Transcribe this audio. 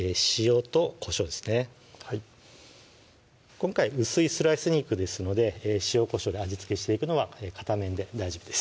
今回薄いスライス肉ですので塩・こしょうで味付けしていくのは片面で大丈夫です